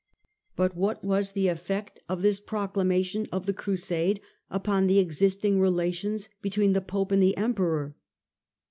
But what was the effect of this proclamation of the crusade upon the existing relations between the pope and the emperor